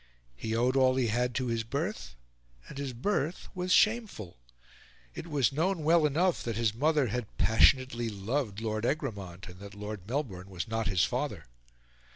He owed all he had to his birth, and his birth was shameful; it was known well enough that his mother had passionately loved Lord Egremont, and that Lord Melbourne was not his father.